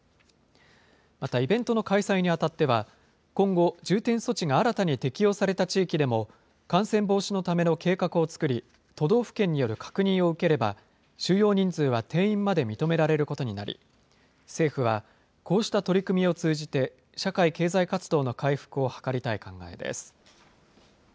またイベントの開催にあたっては、今後、重点措置が新たに適用された地域でも、感染防止のための計画を作り、都道府県による確認を受ければ、収容人数は定員まで認められることになり、政府は、こうした取り組みを通じて、社会経済活動の回復を図りたい考えです。